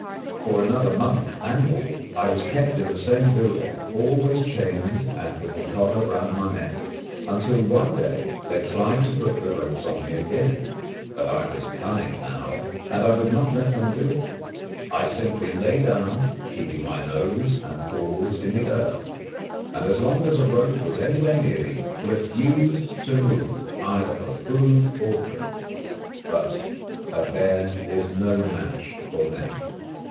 For another month and more I was kept in the same building, always chained and with the collar round my neck, until one day they tried to put the ropes on me again; but I was cunning now, and would not let them do it. I simply lay down, keeping my nose and paws in the earth, and, as long as a rope was anywhere near me, refused to move either for food or drink. But a bear is no match for men.